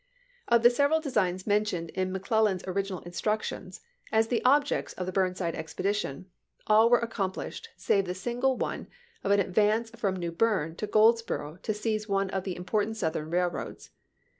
Of the several designs mentioned in McClellan's orig inal instructions as the objects of the Burnside expedition, all were accomplished save the single one of an advance from New Berne to Goldsboro' to seize one of the important Southern railroads.